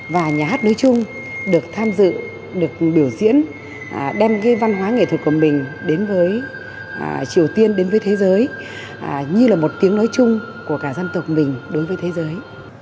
và nhà hát đối chung được tham dự được biểu diễn đem cái văn hóa nghệ thuật của mình đến với triều tiên đến với thế giới như là một tiếng nói chung của cả dân tộc mình đối với thế giới